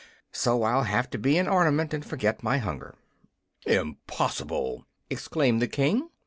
So I'll have to be an ornament and forget my hunger." "Impossible!" exclaimed the King.